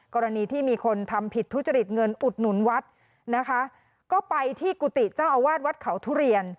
กรณีที่มีคนทำผิดทุจริตเงินอุดหนุนวัดนะคะก็ไปที่กุฏิเจ้าอาวาสวัดเขาทุเรียน